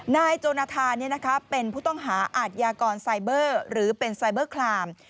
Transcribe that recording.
นายโจนธาเป็นผู้ต้องหาอาทยากรไซเบอร์หรือเป็นไซเบอร์คลาม